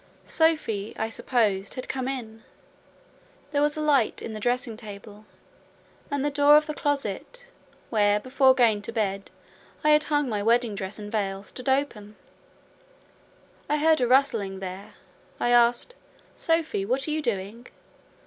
Sophie, I supposed, had come in. There was a light in the dressing table, and the door of the closet, where, before going to bed, I had hung my wedding dress and veil, stood open; I heard a rustling there. I asked, 'Sophie, what are you doing?